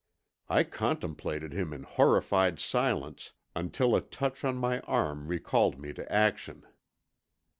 I contemplated him in horrified silence, until a touch on my arm recalled me to action.